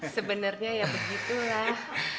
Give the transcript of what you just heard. sebenarnya ya begitulah